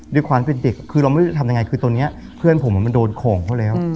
ด้วยความเป็นเด็กคือเราไม่รู้จะทำยังไงคือตอนนี้เพื่อนผมมันโดนของเขาแล้ว